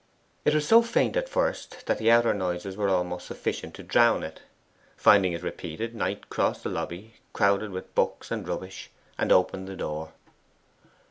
It was so faint at first that the outer noises were almost sufficient to drown it. Finding it repeated Knight crossed the lobby, crowded with books and rubbish, and opened the door.